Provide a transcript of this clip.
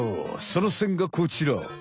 その線がこちら。